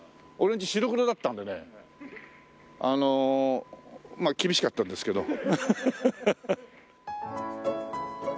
俺んち白黒だったんでねあの厳しかったんですけど。